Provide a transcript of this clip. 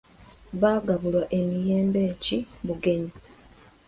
Baagabulwa emiyembe ki bugenyi.